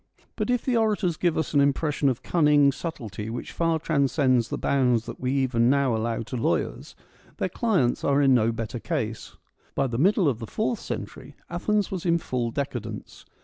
But if the orators give us an impression of cunning subtlety which far transcends the bounds that we even now allow to lawyers, their clients are. in no better case. By the middle of the fourth century Athens was in full decadence.